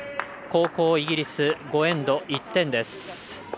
後攻、イギリス５エンド、１点です。